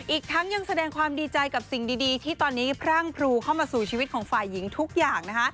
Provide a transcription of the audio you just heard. อีกทั้งยังแสดงความดีใจกับสิ่งดีที่ตอนนี้พรั่งพรูเข้ามาสู่ชีวิตของฝ่ายหญิงทุกอย่างนะคะ